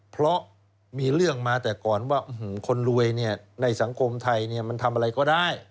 เพราะมีเรื่องมาแต่ก่อนว่าคนรวยในสังคมไทยมันทำอะไรก็ได้